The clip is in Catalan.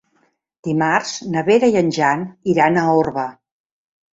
Dimarts na Vera i en Jan iran a Orba.